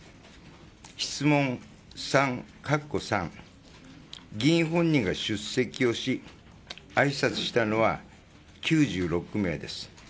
質問３カッコ３議員本人が出席をしあいさつしたのは９６名です。